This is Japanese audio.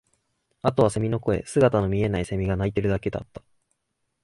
あとは蝉の声、姿の見えない蝉が鳴いているだけだった